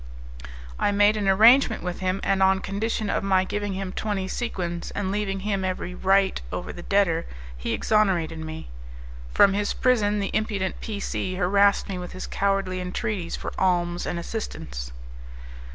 I made an arrangement with him; and on condition of my giving him twenty sequins, and leaving him every right over the debtor, he exonerated me. From his prison the impudent P C harassed me with his cowardly entreaties for alms and assistance.